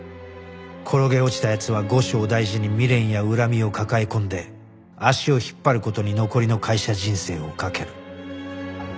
転げ落ちた奴は後生大事に未練や恨みを抱え込んで足を引っ張る事に残りの会社人生をかける